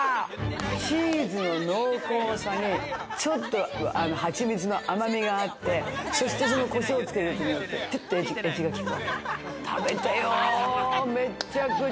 チーズの濃厚さに、ちょっと蜂蜜の甘みがあって、そしてコショウをつけることによってエッジが効く。